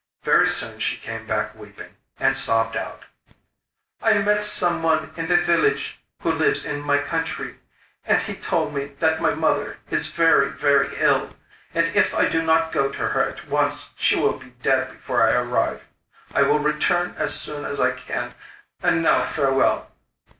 Very soon she came back weeping, and sobbed out: 'I met some one in the village who lives in my country, and he told me that my mother is very, very ill, and if I do not go to her at once she will be dead before I arrive. I will return as soon as I can, and now farewell.